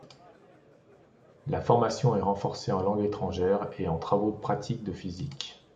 La formation est renforcée en langues étrangères et en travaux pratiques de physique.